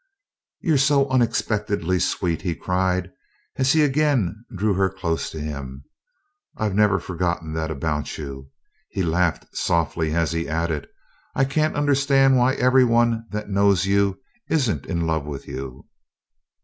"You're so unexpectedly sweet!" he cried, as he again drew her close to him. "I've never forgotten that about you." He laughed softly as he added, "I can't understand why everyone that knows you isn't in love with you."